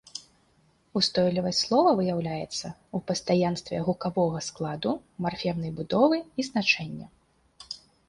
Устойлівасць слова выяўляецца ў пастаянстве гукавога складу, марфемнай будовы і значэння.